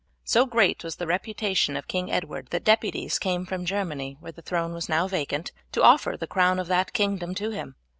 So great was the reputation of King Edward that deputies came from Germany, where the throne was now vacant, to offer the crown of that kingdom to him.